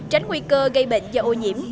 tránh nguy cơ gây bệnh do ô nhiễm